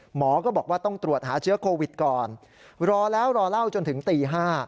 หมอก็บอกว่าต้องตรวจหาเชื้อโควิดก่อนรอแล้วรอเล่าจนถึงตี๕